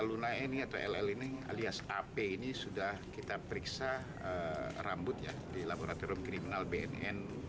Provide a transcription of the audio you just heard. luna ini atau l lening alias hp ini sudah kita periksa rambutnya di laboratorium kriminal bnn